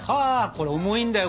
これ重いんだよ。